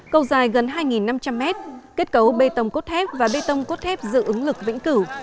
cầu dài gần hai năm trăm linh mét kết cấu bê tông cốt thép và bê tông cốt thép dự ứng lực vĩnh cửu